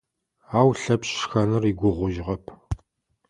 Ау Лъэпшъ шхэныр игугъужьыгъэп.